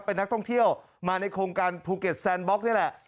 เป็นนักท่องเที่ยวมาในโครงการภูเก็ตแซนบล็อกนี่แหละ